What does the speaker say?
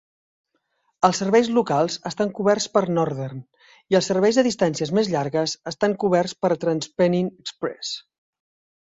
Els serveis locals estan coberts per Northern; i els serveis de distàncies és llargues estan coberts per TransPennine Express.